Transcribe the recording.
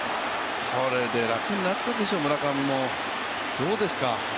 これで楽になったでしょう、村上も、どうですか？